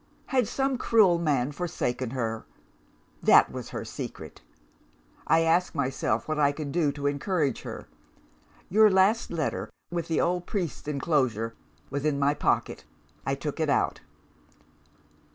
Had some cruel man forsaken her? That was her secret. I asked myself what I could do to encourage her. Your last letter, with our old priest's enclosure, was in my pocket. I took it out.